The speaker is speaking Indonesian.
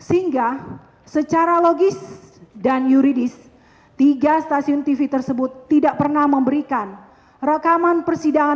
hai sehingga secara logis dan yuridis tiga stasiun tv tersebut tidak pernah memberikan rekaman persidangan